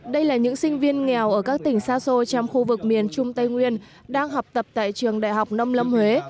đây là những sinh viên nghèo ở các tỉnh xa xôi trong khu vực miền trung tây nguyên đang học tập tại trường đại học nông lâm huế